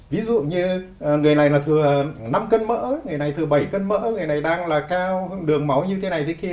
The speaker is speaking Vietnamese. ví dụ như người này là thừa năm cân mỡ người này thừa bảy cân mỡ người này đang là cao đường máu như thế này thế kia